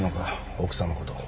奥さんのこと。